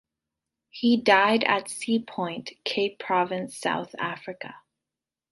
He died at Sea Point, Cape Province, South Africa.